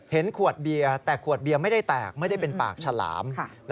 ขวดเบียร์แต่ขวดเบียร์ไม่ได้แตกไม่ได้เป็นปากฉลาม